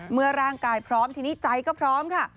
เมื่อร่างกายพร้อมทีนี้ใจก็พร้อมค่ะ